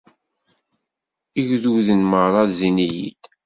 Igduden merra zzin-iyi-d.